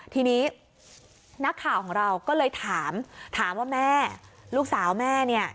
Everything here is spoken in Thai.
ทีนี้นักข่าวของเราก็เลยถามถามว่าแม่ลูกสาวแม่เนี่ย